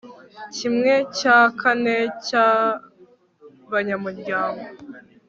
kimwe cya kane cy abanyamuryango